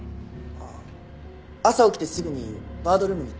あっ朝起きてすぐにバードルームに行ったんで。